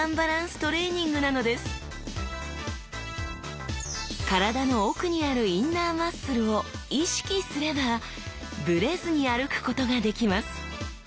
トレーニングなのです体の奥にあるインナーマッスルを「意識」すればブレずに歩くことができます。